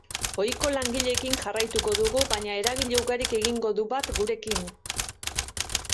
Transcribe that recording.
Ohiko lanekin jarraituko dugu, baina eragile ugarik egingo du bat gurekin.